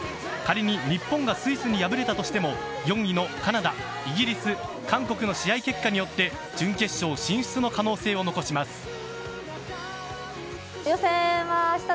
仮に日本がスイスに敗れたとしても４位のカナダ、イギリス韓国の試合結果によって準決勝進出の可能性を残します。